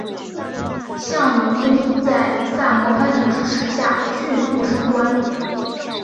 向永功在萨摩藩的支持下迅速升官。